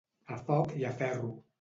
A foc i a ferro.